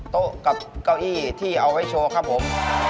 โต๊ะกับเก้าอี้ที่เอาไว้โชว์ครับผม